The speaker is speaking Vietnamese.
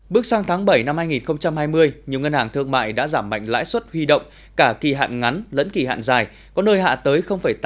bước sang tháng bảy năm hai nghìn hai mươi nhiều ngân hàng thương mại đã giảm mạnh lãi suất huy động cả kỳ hạn ngắn lẫn kỳ hạn dài có nơi hạ tới tám